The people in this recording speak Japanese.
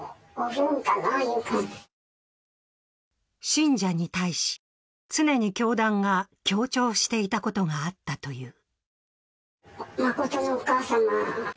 信者に対し、常に教団が強調していたことがあったという。